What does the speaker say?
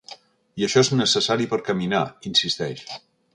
I això és necessari per caminar, insisteix.